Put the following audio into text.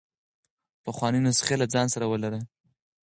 پخوانۍ نسخې له ځان سره ولرئ.